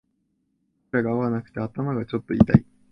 枕が合わなくて頭がちょっと痛い